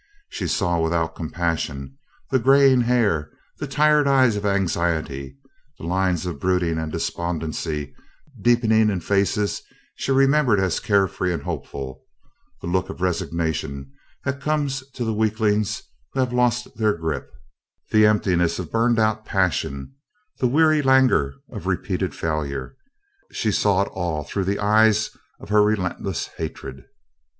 She saw without compassion the graying hair, the tired eyes of anxiety, the lines of brooding and despondency deepening in faces she remembered as carefree and hopeful, the look of resignation that comes to the weaklings who have lost their grip, the emptiness of burned out passion, the weary languor of repeated failure she saw it all through the eyes of her relentless hatred.